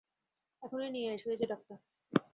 এখনই নিয়ে এসো, এই যে ডাক্তার!